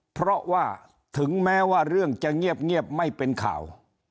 เพราะว่าถึงแม้ว่าเรื่องจะเงียบไม่เป็นข่าว